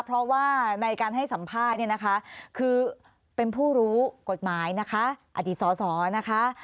เพราะว่าในการให้สัมภาษณ์เนี่ยนะคะคือเป็นผู้รู้กฎหมายนะคะอดีตสอสอนะคะ